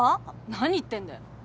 何言ってんだよ。